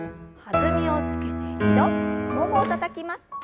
弾みをつけて２度ももをたたきます。